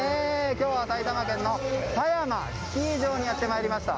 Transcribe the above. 今日は埼玉県の狭山スキー場にやってきました。